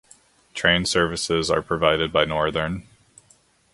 Train services are provided by Northern.